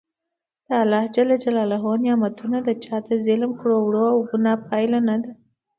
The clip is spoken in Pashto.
د خدای نعمتونه د چا د ظلم کړو وړو او ګناه پایله نده.